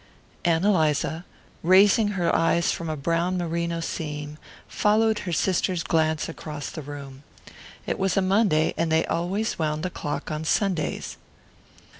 Ann Eliza, raising her eyes from a brown merino seam, followed her sister's glance across the room. It was a Monday, and they always wound the clock on Sundays.